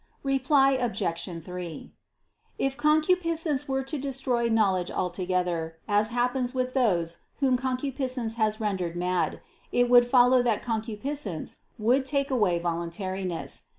Reply Obj. 3: If concupiscence were to destroy knowledge altogether, as happens with those whom concupiscence has rendered mad, it would follow that concupiscence would take away voluntariness.